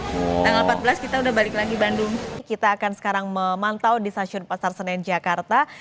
tanggal empat belas kita udah balik lagi bandung kita akan sekarang memantau di stasiun pasar senen jakarta